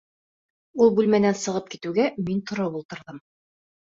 Ул бүлмәнән сығып китеүгә, мин тороп ултырҙым.